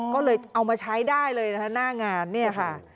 ก็เลยเอามาใช้ได้เลยนะคะหน้างานเนี่ยค่ะ